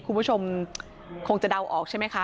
คุณผู้ชมคงจะเดาออกใช่ไหมคะ